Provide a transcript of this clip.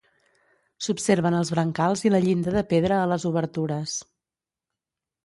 S'observen els brancals i la llinda de pedra a les obertures.